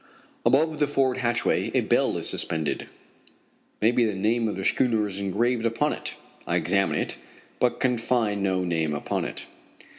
Above the forward hatchway a bell is suspended. Maybe the name of the schooner is engraved upon it. I examine it, but can find no name upon it.